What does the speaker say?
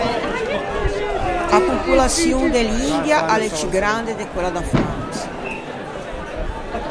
A popolaçion de l’India a l’é ciù grande de quella da Fransa.